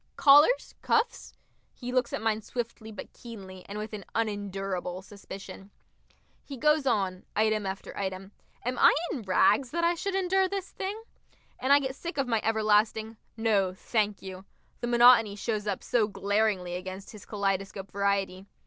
"Collars, cuffs?" He looks at mine swiftly but keenly, and with an unendurable suspicion. He goes on, item after item. Am I in rags, that I should endure this thing? And I get sick of my everlasting "No, thank you" the monotony shows up so glaringly against his kaleidoscope variety.